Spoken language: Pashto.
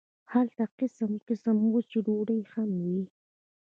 هلته قسم قسم وچې ډوډۍ هم وې.